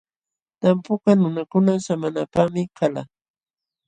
Tampukaq nunakuna samanapaqmi kalqa.